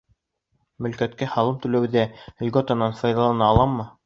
Мөлкәткә һалым түләүҙә льготанан файҙалана аламмы?